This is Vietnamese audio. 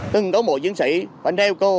từng đối mộ chiến sĩ phải đeo cô